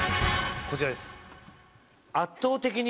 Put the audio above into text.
こちらです。